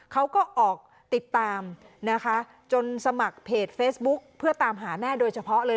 เขาก็ออกติดตามนะคะจนสมัครเพจเฟซบุ๊คเพื่อตามหาแม่โดยเฉพาะเลย